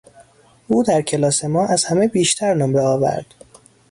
او در کلاس ما از همه بیشتر نمره آورد.